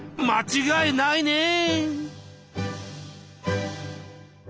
間違いないね！